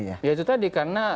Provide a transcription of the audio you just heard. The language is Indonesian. ya itu tadi